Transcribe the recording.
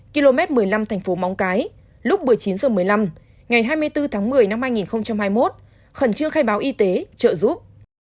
km một mươi năm thành phố móng cái lúc một mươi chín h một mươi năm ngày hai mươi bốn tháng một mươi năm hai nghìn hai mươi một khẩn trương khai báo y tế trợ giúp